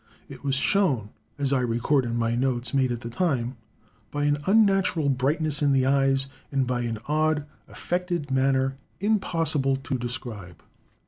It was shown, as I record in my notes made at the time, by an unnatural brightness in the eyes, and by an odd, affected manner, impossible to describe.